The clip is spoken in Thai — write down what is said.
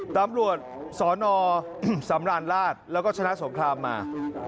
ตำรวจสนสำราญราชแล้วก็ชนะสงครามมา